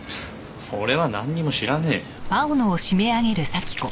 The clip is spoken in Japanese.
俺はなんにも知らねえよ。